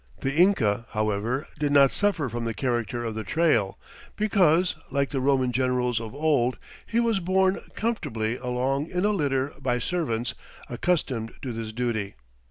The Inca, however, did not suffer from the character of the trail because, like the Roman generals of old, he was borne comfortably along in a litter by servants accustomed to this duty.